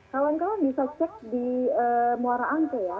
kawan kawan bisa cek di muara angke ya